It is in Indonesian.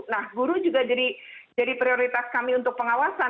nah guru juga jadi prioritas kami untuk pengawasan